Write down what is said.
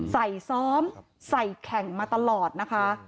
ซ้อมใส่แข่งมาตลอดนะคะ